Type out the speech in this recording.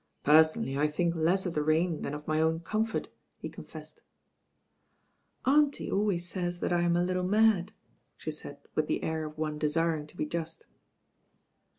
"Personally I think less of the rain than of my own comfort," he confessed. "Auntie always says that I'm a little mad," she said with the air of one desiring to be just.